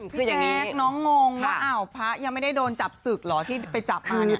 พี่แจ๊คน้องงงว่าอ้าวพระยังไม่ได้โดนจับศึกเหรอที่ไปจับมาเนี่ย